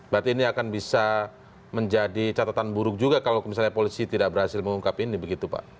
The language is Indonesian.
berarti ini akan bisa menjadi catatan buruk juga kalau misalnya polisi tidak berhasil mengungkap ini begitu pak